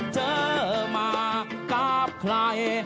เจอมากับใคร